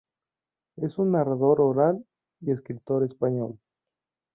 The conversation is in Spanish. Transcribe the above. Es un narrador oral y escritor español.